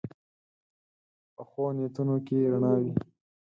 پخو نیتونو کې رڼا وي